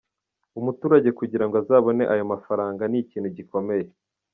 Umuturage kugira ngo azabone ayo mafaranga ni ikintu gikomeye.